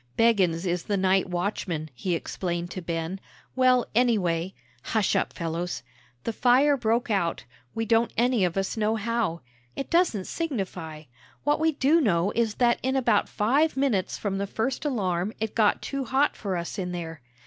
"Beggins is the night watchman," he explained to Ben. "Well, anyway, hush up, fellows, the fire broke out, we don't any of us know how. It doesn't signify. What we do know is that in about five minutes from the first alarm it got too hot for us in there."